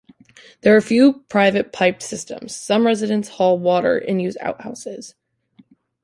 There are a few private piped systems; some residents haul water and use outhouses.